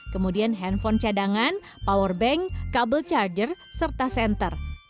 kemudian handphone cadangan powerbank kabel charger serta center